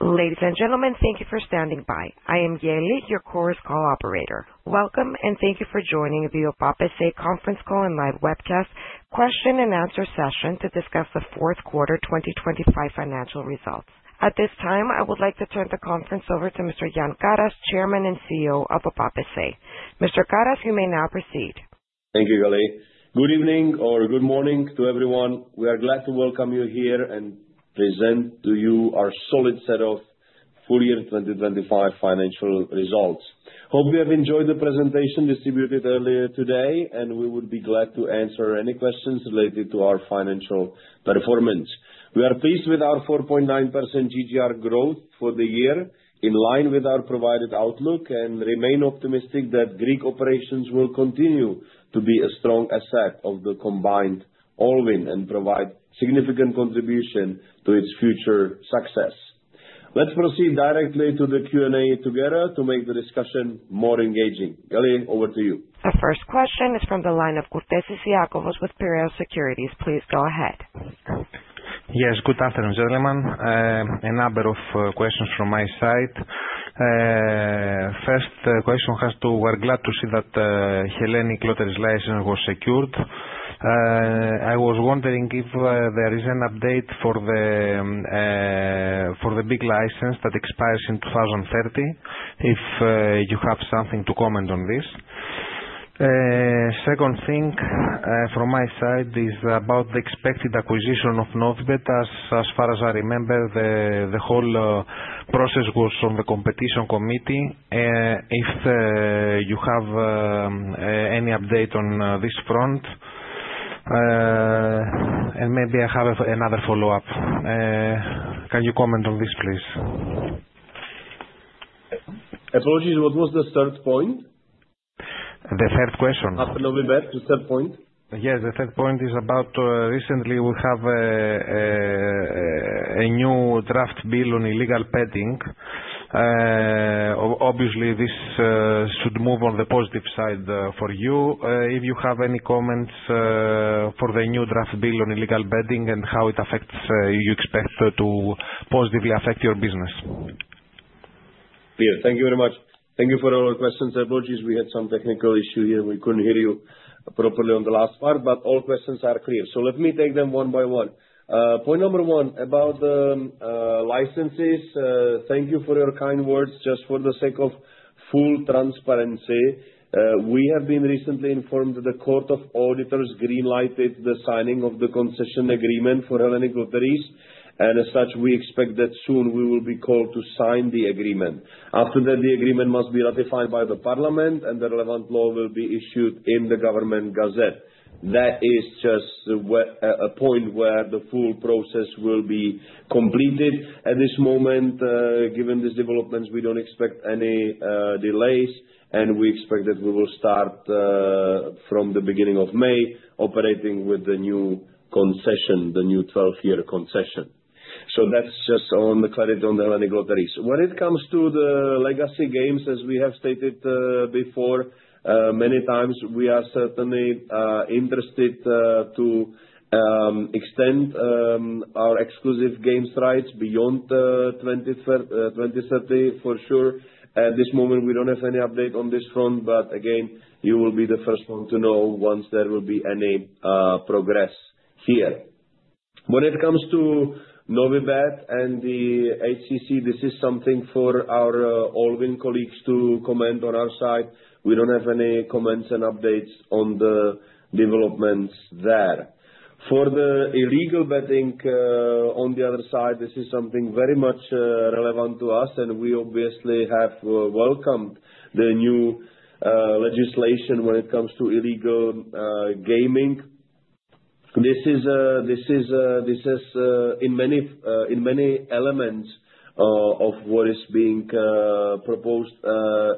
Ladies and gentlemen, thank you for standing by. I am Yeli, your Chorus Call operator. Welcome. Thank you for joining the OPAP S.A. conference call and live webcast question and answer session to discuss the fourth quarter 2025 financial results. At this time, I would like to turn the conference over to Mr. Jan Karas, Chairman and CEO of OPAP S.A. Mr. Karas, you may now proceed. Thank you, Yeli. Good evening or good morning to everyone. We are glad to welcome you here and present to you our solid set of full year 2025 financial results. Hope you have enjoyed the presentation distributed earlier today, and we would be glad to answer any questions related to our financial performance. We are pleased with our 4.9% GGR growth for the year, in line with our provided outlook, and remain optimistic that Greek operations will continue to be a strong asset of the combined Allwyn and provide significant contribution to its future success. Let's proceed directly to the Q&A together to make the discussion more engaging. Yeli, over to you. Our first question is from the line of Iakovos Kourtesis with Piraeus Securities. Please go ahead. Yes. Good afternoon, gentlemen. A number of questions from my side. First question, we're glad to see that Hellenic Lotteries license was secured. I was wondering if there is an update for the big license that expires in 2030, if you have something to comment on this. Second thing from my side is about the expected acquisition of Novibet. As far as I remember, the whole process was on the Hellenic Competition Commission. If you have any update on this front. Maybe I have another follow-up. Can you comment on this, please? Apologies. What was the third point? The third question. After Novibet. The third point. Yes. The third point is about recently we have a new draft bill on illegal betting. Obviously this should move on the positive side for you. If you have any comments for the new draft bill on illegal betting and how it affects, you expect to positively affect your business? Clear. Thank you very much. Thank you for all your questions. Apologies, we had some technical issue here. We couldn't hear you properly on the last part, but all questions are clear. Let me take them one by one. Point number one, about licenses. Thank you for your kind words. Just for the sake of full transparency, we have been recently informed that the Court of Auditors greenlighted the signing of the concession agreement for Hellenic Lotteries. As such, we expect that soon we will be called to sign the agreement. After that, the agreement must be ratified by the parliament and the relevant law will be issued in the Government Gazette. That is just a point where the full process will be completed. At this moment, given these developments, we don't expect any delays, and we expect that we will start from the beginning of May operating with the new concession, the new 12-year concession. That's just on the clarity on the Hellenic Lotteries. When it comes to the legacy games, as we have stated before many times, we are certainly interested to extend our exclusive games rights beyond 2030 for sure. At this moment, we don't have any update on this front. Again, you will be the first one to know once there will be any progress here. When it comes to Novibet and the HCC, this is something for our Allwyn colleagues to comment. On our side, we don't have any comments and updates on the developments there. For the illegal betting, on the other side, this is something very much relevant to us. We obviously have welcomed the new legislation when it comes to illegal gaming. This is in many elements of what is being proposed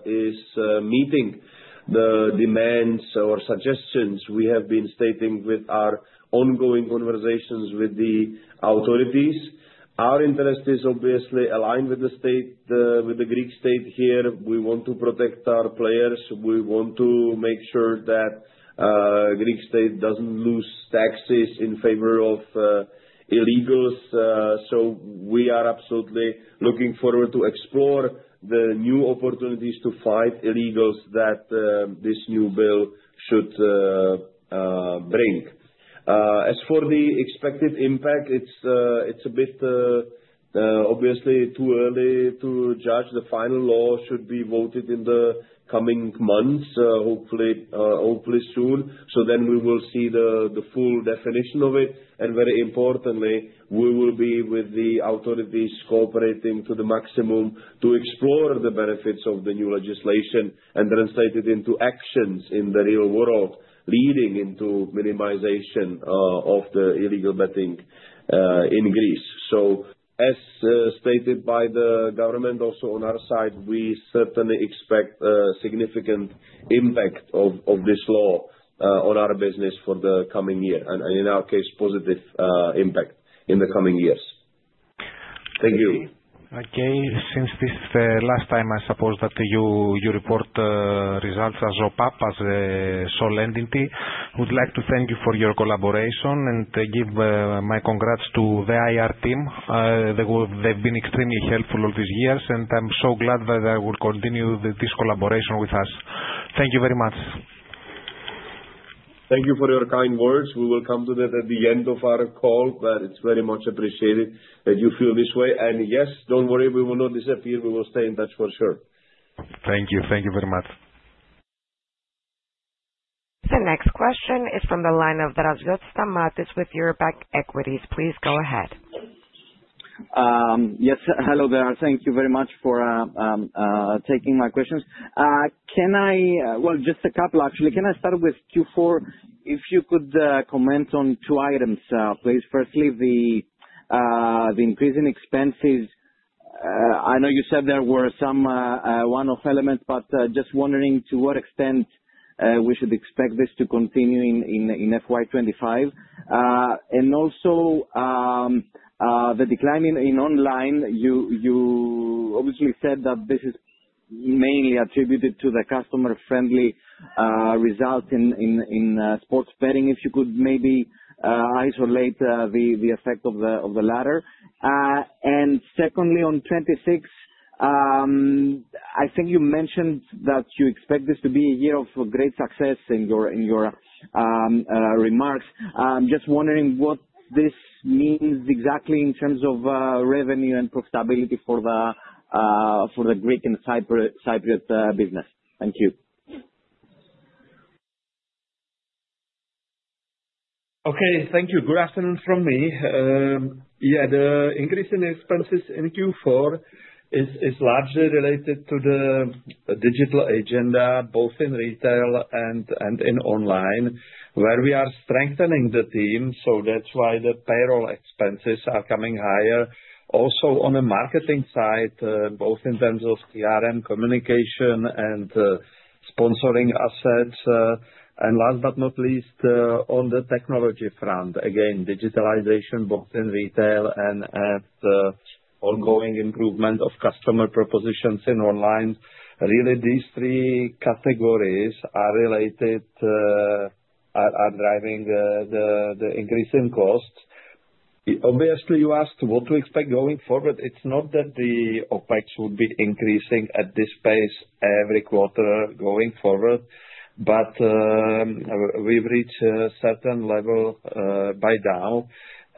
is meeting the demands or suggestions we have been stating with our ongoing conversations with the authorities. Our interest is obviously aligned with the state, with the Greek state here. We want to protect our players. We want to make sure that Greek state doesn't lose taxes in favor of illegals. We are absolutely looking forward to explore the new opportunities to fight illegals that this new bill should bring. As for the expected impact, it's a bit obviously too early to judge. The final law should be voted in the coming months, hopefully soon. We will see the full definition of it. Very importantly, we will be with the authorities cooperating to the maximum to explore the benefits of the new legislation and translate it into actions in the real world, leading into minimization of the illegal betting in Greece. As stated by the government, also on our side, we certainly expect a significant impact of this law on our business for the coming year and in our case, positive impact in the coming years. Thank you. Okay. Since this last time, I suppose that you report results as OPAP as a sole entity. Would like to thank you for your collaboration and give my congrats to the IR team. They've been extremely helpful all these years, and I'm so glad that they will continue this collaboration with us. Thank you very much. Thank you for your kind words. We will come to that at the end of our call, but it's very much appreciated that you feel this way. Yes, don't worry, we will not disappear. We will stay in touch for sure. Thank you. Thank you very much. The next question is from the line of Draziotis Stamatis with Eurobank Equities. Please go ahead. Yes. Hello there. Thank you very much for taking my questions. Well, just a couple actually. Can I start with Q4? If you could comment on two items, please. Firstly, the increase in expenses. I know you said there were some one-off elements, but just wondering to what extent we should expect this to continue in FY 2025. Also, the decline in online, you obviously said that this is mainly attributed to the customer-friendly result in sports betting. If you could maybe isolate the effect of the latter. Secondly, on 2026, I think you mentioned that you expect this to be a year of great success in your remarks. I'm just wondering what this means exactly in terms of revenue and profitability for the Greek and Cypriot business. Thank you. Okay. Thank you. Good afternoon from me. Yeah, the increase in expenses in Q4 is largely related to the digital agenda both in retail and in online, where we are strengthening the team, so that's why the payroll expenses are coming higher. Also on the marketing side, both in terms of CRM communication and sponsoring assets. Last but not least, on the technology front, again, digitalization both in retail and at ongoing improvement of customer propositions in online. Really, these three categories are related, are driving the increase in costs. Obviously, you asked what to expect going forward. It's not that the OpEx would be increasing at this pace every quarter going forward. We've reached a certain level by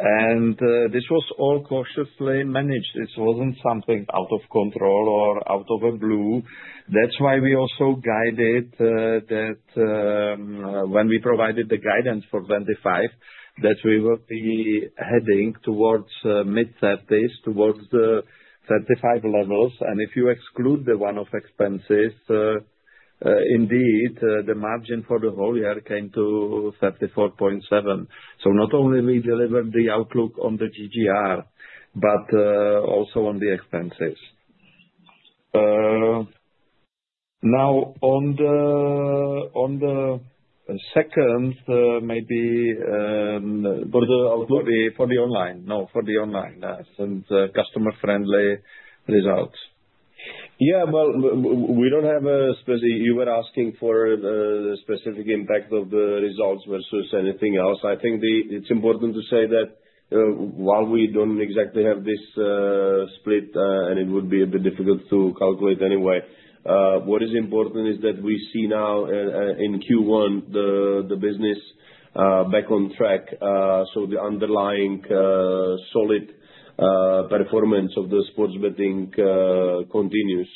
now. This was all cautiously managed. This wasn't something out of control or out of the blue. That's why we also guided that when we provided the guidance for 25%, that we will be heading towards mid-30s, towards the 35% levels. If you exclude the one-off expenses, indeed, the margin for the whole year came to 34.7%. Not only we delivered the outlook on the GGR, but also on the expenses. On the second, maybe, For the online. No, for the online, yes, and customer-friendly results. Yeah. We don't have a specific. You were asking for the specific impact of the results versus anything else. I think it's important to say that while we don't exactly have this split, and it would be a bit difficult to calculate anyway, what is important is that we see now in Q1, the business back on track. The underlying solid performance of the sports betting continues.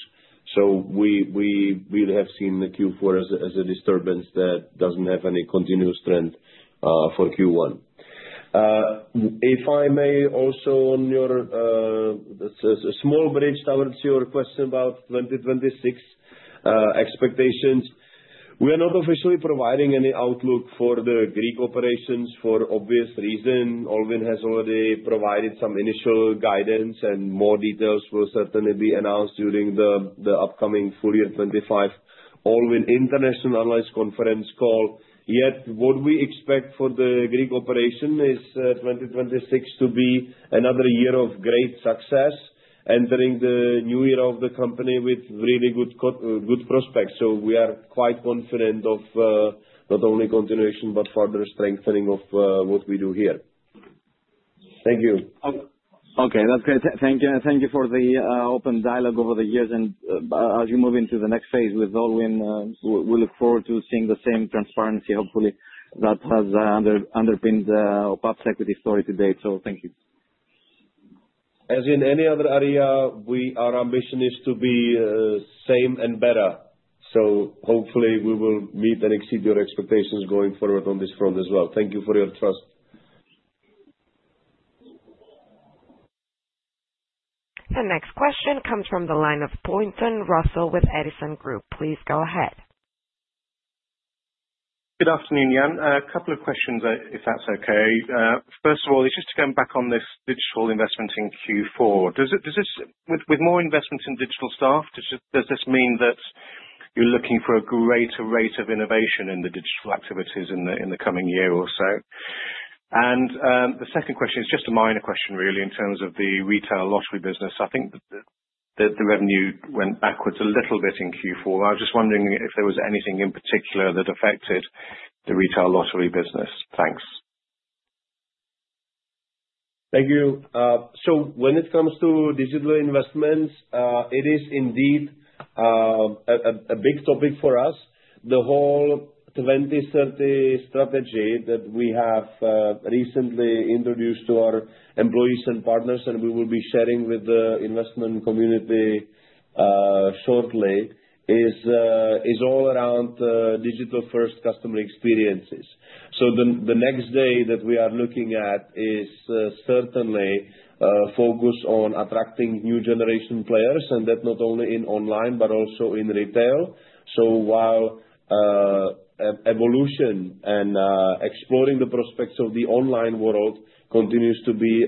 We really have seen the Q4 as a disturbance that doesn't have any continuous trend for Q1. If I may also on your, it's a small bridge towards your question about 2026 expectations. We are not officially providing any outlook for the Greek operations for obvious reason. Allwyn has already provided some initial guidance and more details will certainly be announced during the upcoming full year 2025 Allwyn International Analyst Conference Call. What we expect for the Greek operation is 2026 to be another year of great success, entering the new year of the company with really good prospects. We are quite confident of not only continuation but further strengthening of what we do here. Thank you. Okay. That's great. Thank you. Thank you for the open dialogue over the years and as you move into the next phase with Allwyn, we look forward to seeing the same transparency, hopefully, that has underpinned the OPAP's equity story to date. Thank you. As in any other area, our ambition is to be same and better. Hopefully we will meet and exceed your expectations going forward on this front as well. Thank you for your trust. The next question comes from the line of Russell Pointon with Edison Group. Please go ahead. Good afternoon, Jan. A couple of questions, if that's okay. First of all, it's just to come back on this digital investment in Q4. With more investments in digital staff, does this mean that you're looking for a greater rate of innovation in the digital activities in the coming year or so? The second question, it's just a minor question really in terms of the retail lottery business. I think that the revenue went backwards a little bit in Q4. I was just wondering if there was anything in particular that affected the retail lottery business. Thanks. Thank you. When it comes to digital investments, it is indeed a big topic for us. The whole 2030 strategy that we have recently introduced to our employees and partners, and we will be sharing with the investment community shortly is all around digital first customer experiences. The next day that we are looking at is certainly focused on attracting new generation players, and that not only in online but also in retail. While evolution and exploring the prospects of the online world continues to be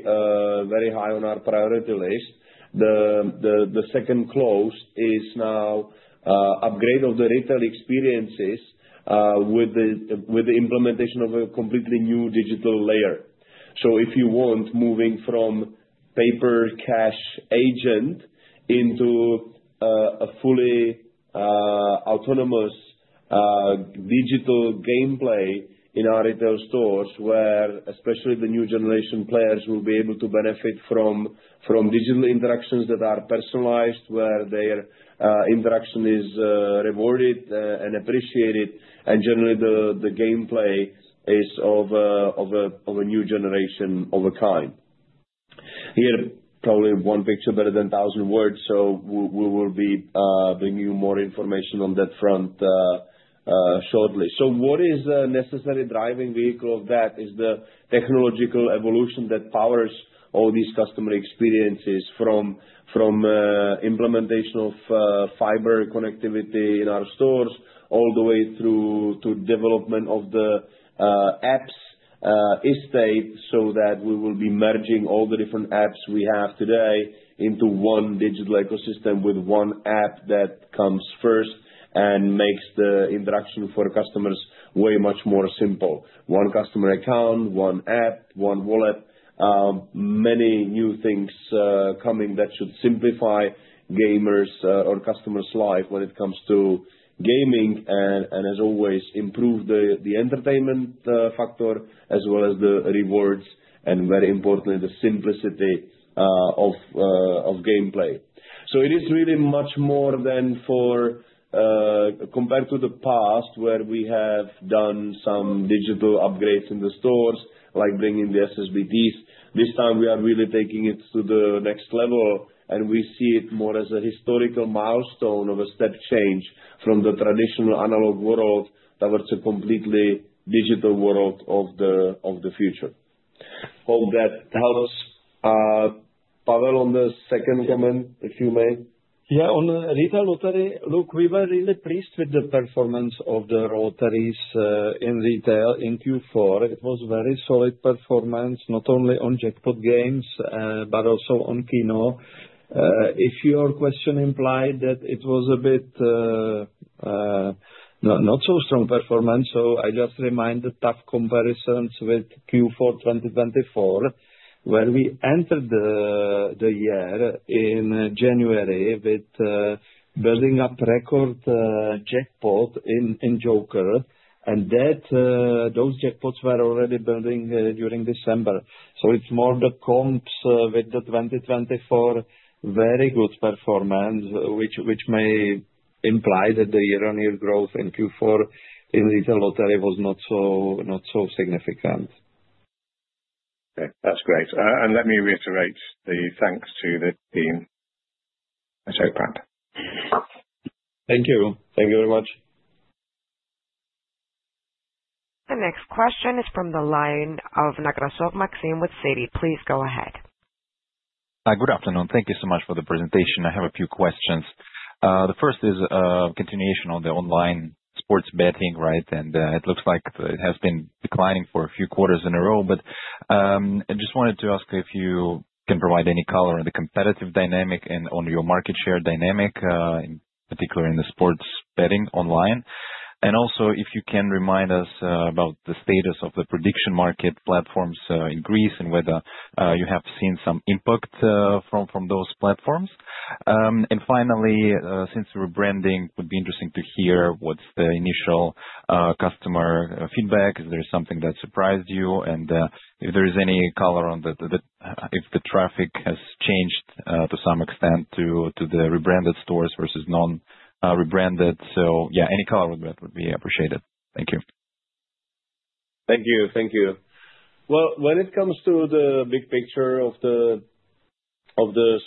very high on our priority list, the second close is now upgrade of the retail experiences with the implementation of a completely new digital layer. If you want moving from paper cash agent into a fully autonomous digital gameplay in our retail stores, where especially the new generation players will be able to benefit from digital interactions that are personalized, where their interaction is rewarded and appreciated, and generally the gameplay is of a new generation of a kind. Here, probably one picture better than 1,000 words, we will be bringing you more information on that front shortly. What is necessary driving vehicle of that is the technological evolution that powers all these customer experiences from implementation of fiber connectivity in our stores all the way through to development of the apps estate, so that we will be merging all the different apps we have today into one digital ecosystem with one app that comes first and makes the interaction for customers way much more simple. One customer account, one app, one wallet. Many new things coming that should simplify gamers or customers' life when it comes to gaming and as always, improve the entertainment factor as well as the rewards, and very importantly, the simplicity of gameplay. It is really much more than for, compared to the past, where we have done some digital upgrades in the stores, like bringing the SSBTs. This time we are really taking it to the next level, and we see it more as a historical milestone of a step change from the traditional analog world towards a completely digital world of the future. Hope that helps. Pavel, on the second comment, if you may. Yeah. On retail lottery. Look, we were really pleased with the performance of the lotteries in retail in Q4. It was very solid performance, not only on jackpot games, but also on Kino. If your question implied that it was a bit not so strong performance, so I just remind the tough comparisons with Q4 2024, when we entered the year in January with building up record jackpot in Joker, and that those jackpots were already building during December. It's more the comps with the 2024 very good performance which may imply that the year-on-year growth in Q4 in retail lottery was not so significant. Okay. That's great. Let me reiterate the thanks to the team. That's okay. Thank you. Thank you very much. The next question is from the line of Maxim Nekrasov with Citi. Please go ahead. Good afternoon. Thank you so much for the presentation. I have a few questions. The first is continuation on the online sports betting, right? It looks like it has been declining for a few quarters in a row. I just wanted to ask if you can provide any color on the competitive dynamic and on your market share dynamic, in particular in the sports betting online. Also, if you can remind us about the status of the prediction market platforms in Greece and whether you have seen some impact from those platforms. Finally, since rebranding, would be interesting to hear what's the initial customer feedback. Is there something that surprised you? If there is any color on the. If the traffic has changed to some extent to the rebranded stores versus non rebranded. Yeah, any color with that would be appreciated. Thank you. Thank you. Thank you. When it comes to the big picture of the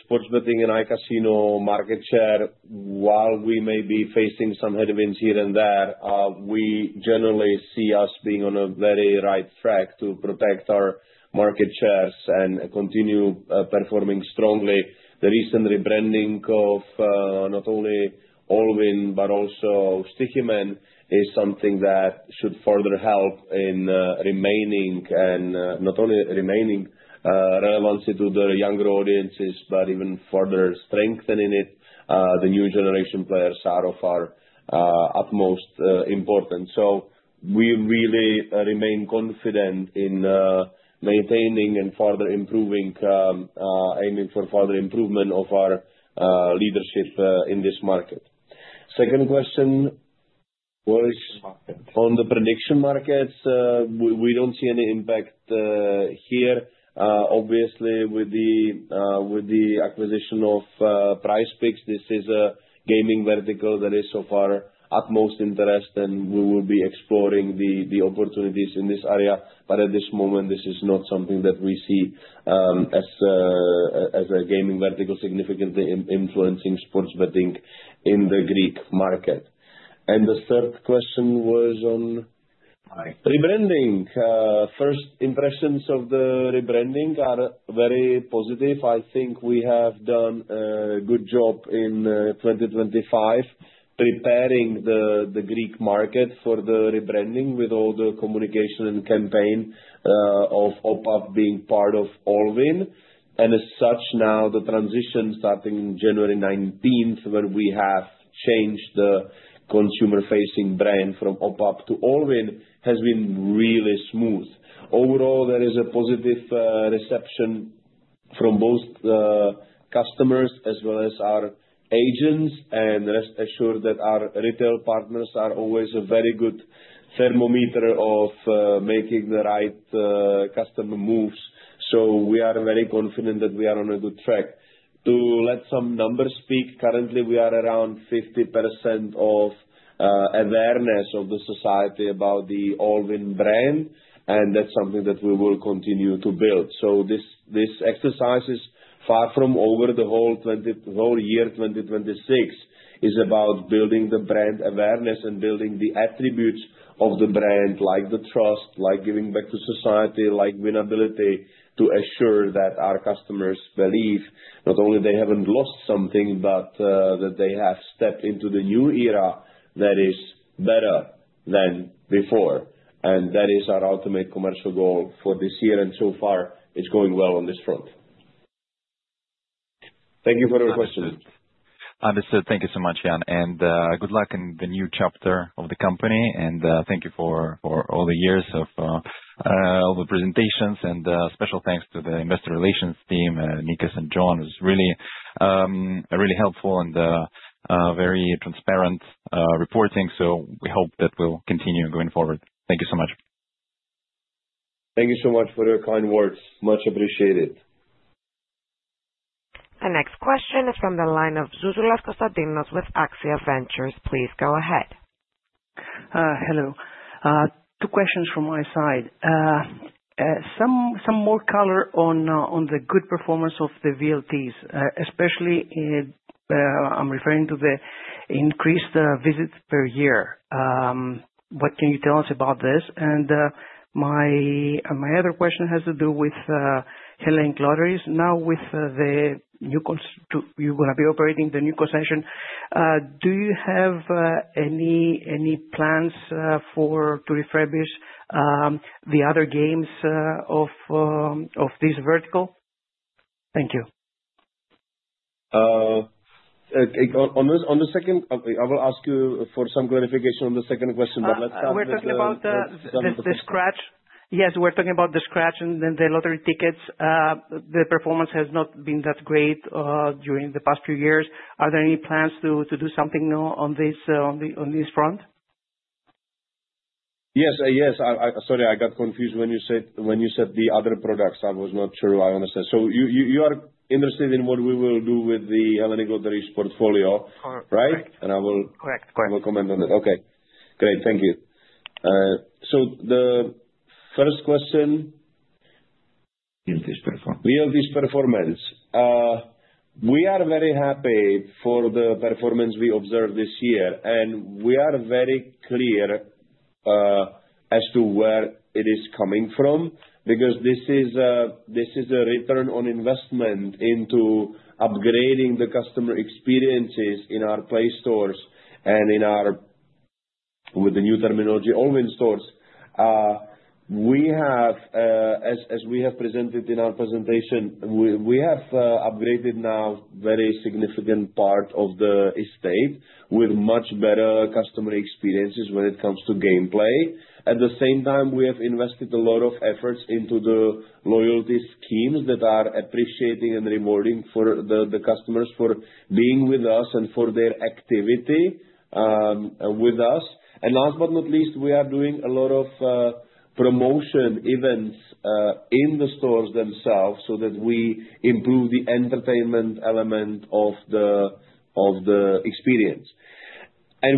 sports betting and iCasino market share, while we may be facing some headwinds here and there, we generally see us being on a very right track to protect our market shares and continue performing strongly. The recent rebranding of not only Allwyn but also Stoiximan is something that should further help in remaining and not only remaining relevancy to the younger audiences, but even further strengthening it. The new generation players are of our utmost importance. We really remain confident in maintaining and further improving the aiming for further improvement of our leadership in this market. Second question. On the prediction markets, we don't see any impact here. Obviously with the acquisition of PrizePicks, this is a gaming vertical that is of our utmost interest and we will be exploring the opportunities in this area. At this moment, this is not something that we see as a gaming vertical significantly influencing sports betting in the Greek market. The third question was on, Rebranding. Rebranding. First impressions of the rebranding are very positive. I think we have done a good job in 2025 preparing the Greek market for the rebranding with all the communication and campaign of OPAP being part of Allwyn. As such, now, the transition starting January 19th, where we have changed the consumer-facing brand from OPAP to Allwyn has been really smooth. Overall, there is a positive reception from both the customers as well as our agents. Rest assured that our retail partners are always a very good thermometer of making the right customer moves. We are very confident that we are on a good track. To let some numbers speak, currently we are around 50% of awareness of the society about the Allwyn brand, and that's something that we will continue to build. This exercise is far from over. The whole year 2026 is about building the brand awareness and building the attributes of the brand, like the trust, like giving back to society, like win ability to assure that our customers believe not only they haven't lost something, but that they have stepped into the new era that is better than before. That is our ultimate commercial goal for this year. So far it's going well on this front. Thank you for your questions. Understood. Thank you so much, Jan. Good luck in the new chapter of the company. Thank you for all the years of all the presentations and special thanks to the investor relations team, Nikos and John. It's really really helpful and very transparent reporting. We hope that will continue going forward. Thank you so much. Thank you so much for your kind words. Much appreciated. The next question is from the line of Zouzoulas Constantinos with AXIA Ventures. Please go ahead. Hello. Two questions from my side. Some more color on the good performance of the VLTs, especially in, I'm referring to the increased visits per year. What can you tell us about this? My other question has to do with Hellenic Lotteries. You gonna be operating the new concession. Do you have any plans to refurbish the other games of this vertical? Thank you. On the second, I will ask you for some clarification on the second question. Let's start with the. We're talking about the scratch. Yes, we're talking about the scratch and then the lottery tickets. The performance has not been that great during the past few years. Are there any plans to do something new on this front? Yes. Yes. I Sorry, I got confused when you said the other products. I was not sure I understand. You are interested in what we will do with the Hellenic Lotteries portfolio, right? Correct. I. Correct. Correct. I will comment on that. Okay, great. Thank you. The first question. VLTs performance. VLTs performance. We are very happy for the performance we observed this year. We are very clear as to where it is coming from because this is a return on investment into upgrading the customer experiences in our PLAY stores and in our, with the new terminology, Allwyn stores. We have as we have presented in our presentation, we have upgraded now very significant part of the estate with much better customer experiences when it comes to gameplay. At the same time, we have invested a lot of efforts into the loyalty schemes that are appreciating and rewarding for the customers for being with us and for their activity with us. Last but not least, we are doing a lot of promotion events in the stores themselves so that we improve the entertainment element of the experience.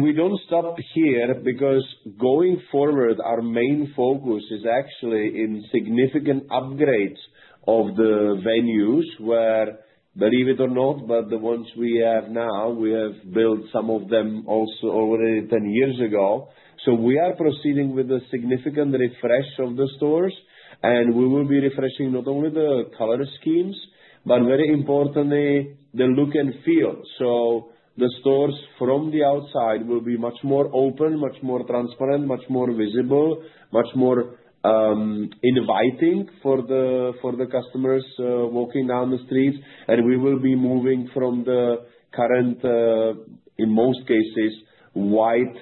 We don't stop here because going forward, our main focus is actually in significant upgrades of the venues where, believe it or not, but the ones we have now, we have built some of them also already 10 years ago. We are proceeding with a significant refresh of the stores, and we will be refreshing not only the color schemes, but very importantly, the look and feel. The stores from the outside will be much more open, much more transparent, much more visible, much more inviting for the customers walking down the streets. We will be moving from the current, in most cases, white,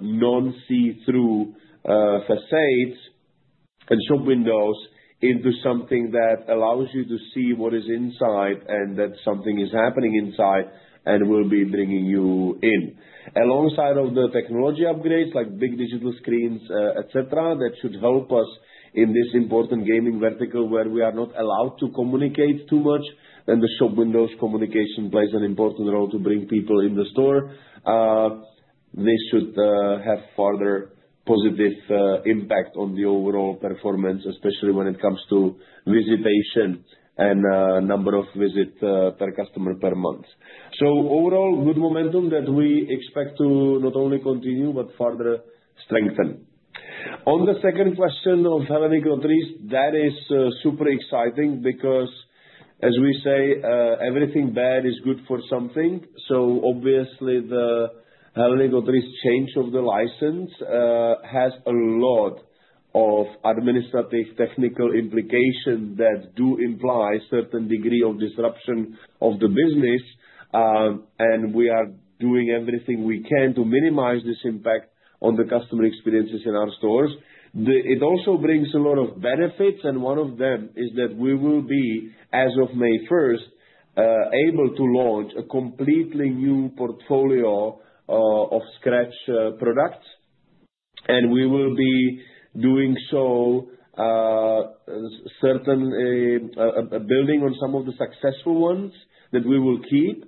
non see-through, facades and shop windows into something that allows you to see what is inside and that something is happening inside and will be bringing you in. Alongside of the technology upgrades, like big digital screens, et cetera, that should help us in this important gaming vertical where we are not allowed to communicate too much, and the shop windows communication plays an important role to bring people in the store. This should have further positive impact on the overall performance, especially when it comes to visitation and number of visit per customer per month. Overall, good momentum that we expect to not only continue but further strengthen. On the second question of Hellenic Lotteries, that is super exciting because as we say, everything bad is good for something. Obviously the Hellenic Lotteries change of the license has a lot of administrative technical implications that do imply certain degree of disruption of the business. We are doing everything we can to minimize this impact on the customer experiences in our stores. It also brings a lot of benefits, and one of them is that we will be, as of May first, able to launch a completely new portfolio of scratch products. We will be doing so, certain, building on some of the successful ones that we will keep,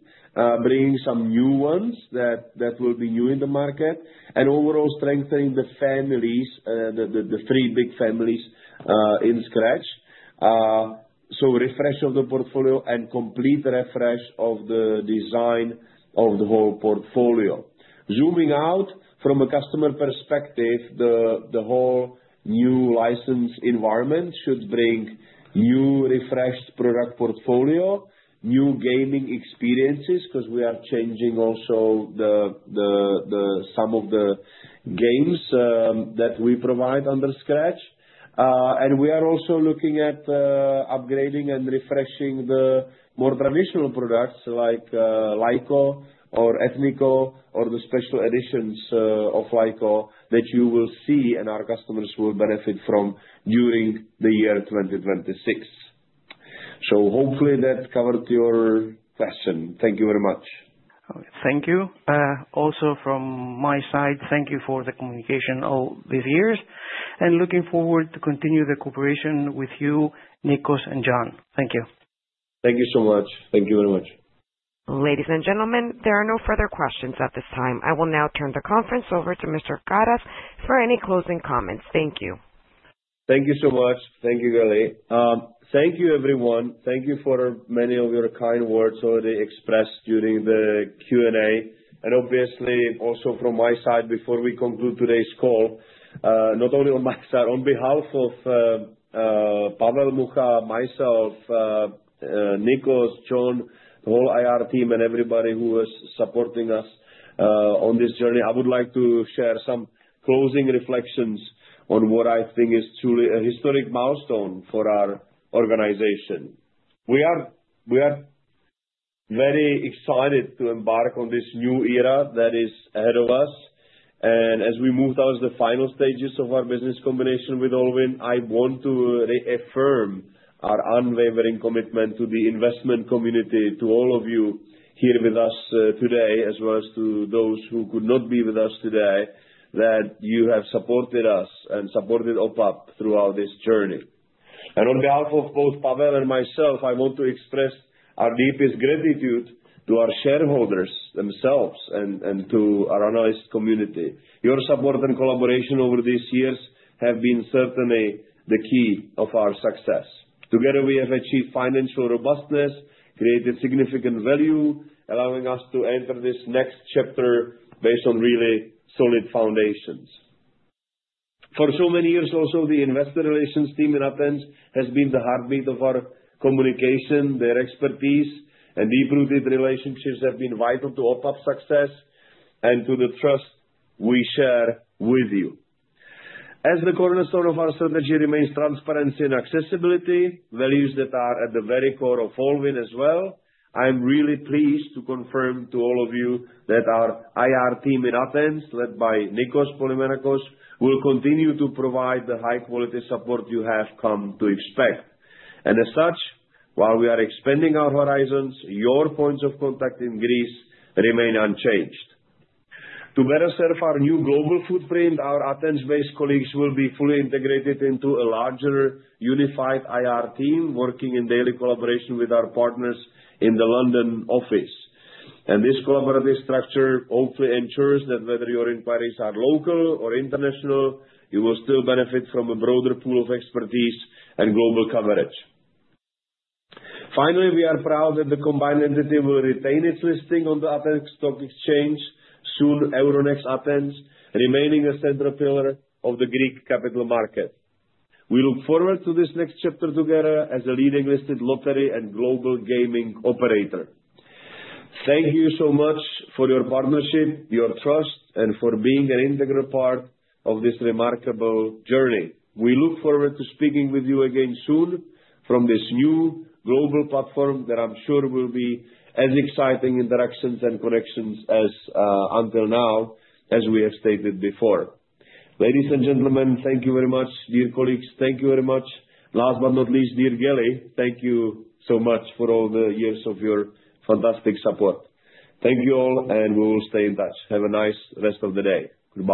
bringing some new ones that will be new in the market and overall strengthening the families, the three big families, in Scratch. Refresh of the portfolio and complete refresh of the design of the whole portfolio. Zooming out from a customer perspective, the whole new license environment should bring new refreshed product portfolio, new gaming experiences because we are changing also the some of the games that we provide under Scratch. We are also looking at upgrading and refreshing the more traditional products like Laiko or Ethniko or the special editions of Laiko that you will see and our customers will benefit from during the year 2026. Hopefully that covered your question. Thank you very much. Thank you. Also from my side, thank you for the communication all these years, looking forward to continue the cooperation with you, Nikos and John. Thank you. Thank you so much. Thank you very much. Ladies and gentlemen, there are no further questions at this time. I will now turn the conference over to Mr. Karas for any closing comments. Thank you. Thank you so much. Thank you, Kelly. Thank you, everyone. Thank you for many of your kind words already expressed during the Q&A. Obviously also from my side before we conclude today's call, not only on my side, on behalf of Pavel Mucha, myself, Nikos, John, the whole IR team and everybody who was supporting us on this journey. I would like to share some closing reflections on what I think is truly a historic milestone for our organization. We are very excited to embark on this new era that is ahead of us. As we move towards the final stages of our business combination with Allwyn, I want to re-affirm our unwavering commitment to the investment community, to all of you here with us today, as well as to those who could not be with us today, that you have supported us and supported OPAP throughout this journey. On behalf of both Pavel and myself, I want to express our deepest gratitude to our shareholders themselves and to our analyst community. Your support and collaboration over these years have been certainly the key of our success. Together, we have achieved financial robustness, created significant value, allowing us to enter this next chapter based on really solid foundations. For so many years also, the Investor Relations team in Athens has been the heartbeat of our communication. Their expertise and deep-rooted relationships have been vital to OPAP's success and to the trust we share with you. As the cornerstone of our strategy remains transparency and accessibility, values that are at the very core of Allwyn as well. I'm really pleased to confirm to all of you that our IR team in Athens, led by Nikos Polymenakos, will continue to provide the high-quality support you have come to expect. As such, while we are expanding our horizons, your points of contact in Greece remain unchanged. To better serve our new global footprint, our Athens-based colleagues will be fully integrated into a larger unified IR team, working in daily collaboration with our partners in the London office. This collaborative structure hopefully ensures that whether your inquiries are local or international, you will still benefit from a broader pool of expertise and global coverage. Finally, we are proud that the combined entity will retain its listing on the Athens Stock Exchange, soon Euronext Athens, remaining a central pillar of the Greek capital market. We look forward to this next chapter together as a leading listed lottery and global gaming operator. Thank you so much for your partnership, your trust, and for being an integral part of this remarkable journey. We look forward to speaking with you again soon from this new global platform that I'm sure will be as exciting interactions and connections as until now as we have stated before. Ladies and gentlemen, thank you very much. Dear colleagues, thank you very much. Last but not least, dear Kelly, thank you so much for all the years of your fantastic support. Thank you all, and we'll stay in touch. Have a nice rest of the day. Goodbye.